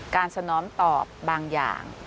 การสนอมตอบบางอย่าง